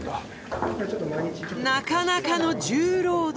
なかなかの重労働！